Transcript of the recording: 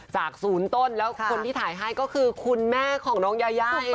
๐ต้นแล้วคนที่ถ่ายให้ก็คือคุณแม่ของน้องยายาเอง